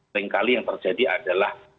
selain kali yang terjadi adalah